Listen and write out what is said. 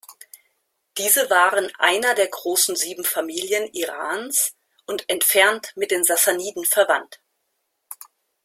Diese waren einer der großen sieben Familien Irans und entfernt mit den Sassaniden verwandt.